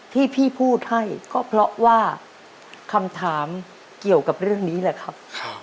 ที่พี่พูดให้ก็เพราะว่าคำถามเกี่ยวกับเรื่องนี้แหละครับ